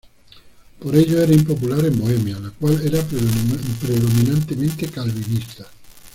Por ello era impopular en Bohemia, la cual era predominantemente calvinista.